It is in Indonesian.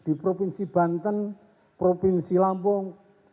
di provinsi banten provinsi lampung